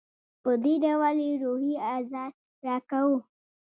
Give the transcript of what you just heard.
په دې ډول یې روحي آزار راکاوه.